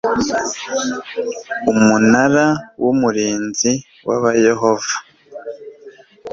Umunara w Umurinzi wa ba yehova